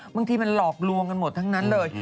บางทีมันหลอกลวงกันหมดทั้งนั้นเลย